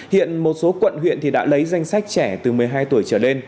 hiện một số quận huyện đã lấy danh sách trẻ từ một mươi hai tuổi trở lên